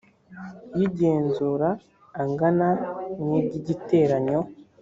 y igenzura angana na by igiteranyo